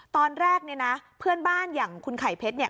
ตอนแรกเนี่ยนะเพื่อนบ้านอย่างคุณไข่เพชรเนี่ย